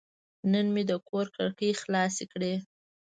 نن مې د کور کړکۍ خلاصې کړې.